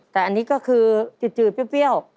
แต่อันนี้ก็คือจืดเปรี้ยว